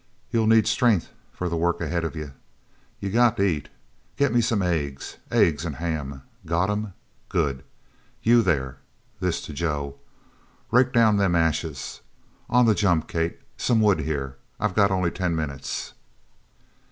You'll need strength for the work ahead of you. You got to eat. Get me some eggs. Eggs and ham. Got 'em? Good. You, there!" (This to Joe.) "Rake down them ashes. On the jump, Kate. Some wood here. I got only ten minutes!"